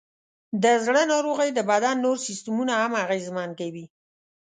د زړه ناروغۍ د بدن نور سیستمونه هم اغېزمن کوي.